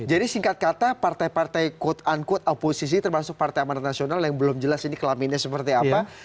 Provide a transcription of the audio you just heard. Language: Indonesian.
jadi singkat kata partai partai quote unquote oposisi termasuk partai emanat nasional yang belum jelas ini kelaminnya seperti apa